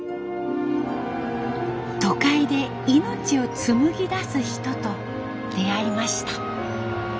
都会で命を紡ぎ出す人と出会いました。